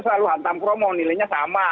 selalu hantam promo nilainya sama